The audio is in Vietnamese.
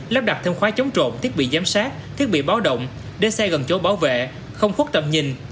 lắp đặt thêm khói chống trộn thiết bị giám sát thiết bị báo động đe xe gần chỗ bảo vệ không khuất tầm nhìn